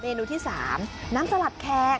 เมนูที่สามน้ำสลัดแคก